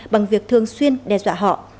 bằng việc thường xuyên đe dọa họ